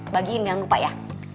bagiin jangan lupa ya